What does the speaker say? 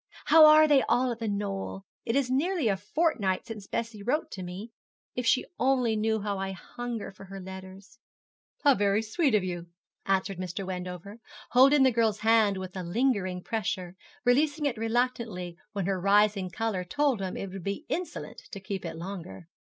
How are they all at The Knoll? It is nearly a fortnight since Bessie wrote to me. If she only knew how I hunger for her letters.' 'Very sweet of you,' answered Mr. Wendover, holding the girl's hand with a lingering pressure, releasing it reluctantly when her rising colour told him it would be insolent to keep it longer.